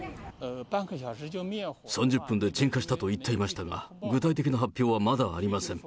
３０分で鎮火したと言っていましたが、具体的な発表はまだありません。